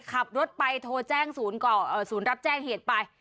ขับรถไปโทรแจ้งศูนย์รับแจ้งเหตุไป